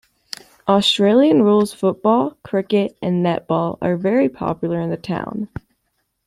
Australian rules football, cricket and netball are all very popular in the town.